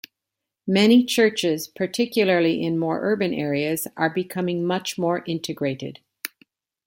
Many churches, particularly in more urban areas, are becoming much more integrated.